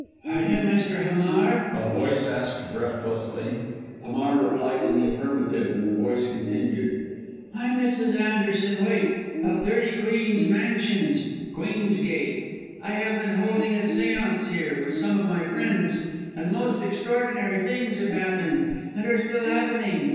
"Are you Mr. Hamar?" a voice asked, breathlessly. Hamar replied in the affirmative, and the voice continued "I'm Mrs. Anderson Waite, of 30 Queen's Mansions, Queen's Gate. I have been holding a séance here, with some of my friends, and most extraordinary things have happened, and are still happening.